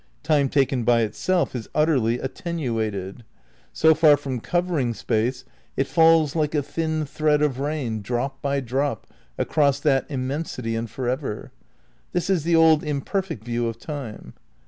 Time taken by itself, is utterly attenuated ; so far from cov ering Space, it falls like a thin thread of rain, drop by drop, across that immensity and for ever. This is the old imperfect view of Time.